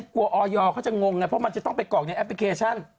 กลัวออยเขาจะงงไงเพราะมันจะต้องไปกรอกในแอปพลิเคชัน